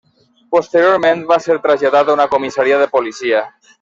Posteriorment va ser traslladat a una comissaria de policia.